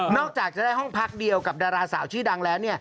จากจะได้ห้องพักเดียวกับดาราสาวชื่อดังแล้ว